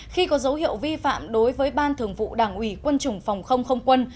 khi có dấu hiệu vi phạm đối với ban thường vụ đảng ủy quân chủng phòng không không quân